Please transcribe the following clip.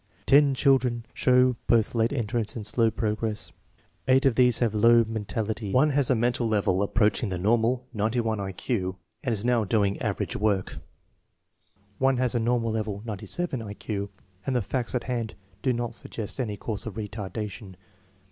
"Ten children show both late entrance and slow progress. Eight of these have low mentality; one has a mental level approaching the 64 INTELLIGENCE OF SCHOOL CHILDREN normal (91 1 Q) and is now doing average work; one has a normal level (97 I Q) and the facts at hand do not suggest any cause of retardation."